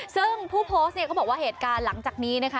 ซึ่งผู้โพสต์เนี่ยเขาบอกว่าเหตุการณ์หลังจากนี้นะคะ